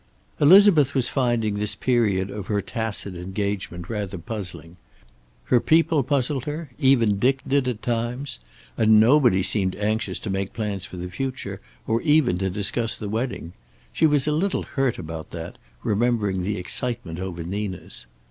Elizabeth was finding this period of her tacit engagement rather puzzling. Her people puzzled her. Even Dick did, at times. And nobody seemed anxious to make plans for the future, or even to discuss the wedding. She was a little hurt about that, remembering the excitement over Nina's.